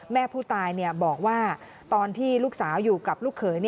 แม่ผู้ตายบอกว่าตอนที่ลูกสาวอยู่กับลูกเขย